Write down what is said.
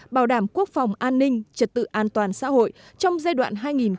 bảo đảm quốc phòng an ninh trật tự an toàn xã hội trong giai đoạn hai nghìn một mươi sáu hai nghìn hai mươi